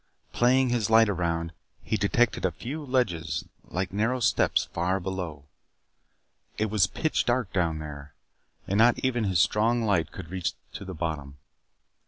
Playing his light around he detected a few ledges like narrow steps far below. It was pitch dark down there, and not even his strong light could reach to the bottom.